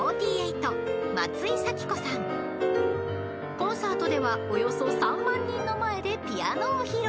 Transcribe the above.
［コンサートではおよそ３万人の前でピアノを披露］